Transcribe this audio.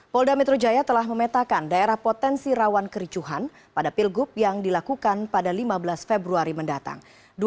polda metro jaya telah memetakan daerah potensi rawan kericuhan pada pilgub yang dilakukan pada lima belas februari mendatang